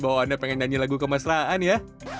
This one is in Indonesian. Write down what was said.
bahwa anda pengen nyanyi lagu kemesraan ya